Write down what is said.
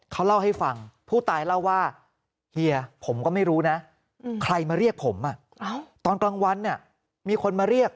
เขาเล่าให้ฟังผู้ตายเล่าว่าเฮียผมก็ไม่รู้นะใครมาเรียกผมตอนกลางวันมีคนมาเรียก